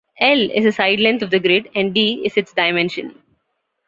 "L" is the sidelength of the grid and "d" is its dimension.